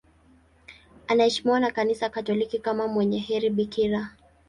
Anaheshimiwa na Kanisa Katoliki kama mwenye heri bikira.